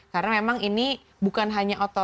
karena memang ini bukan hanya otoriter saja